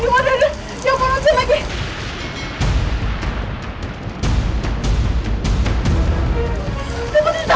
gak akan ada yang mau lewat situ